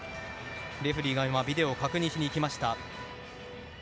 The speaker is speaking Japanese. レフェリーがビデオを確認しにいきました。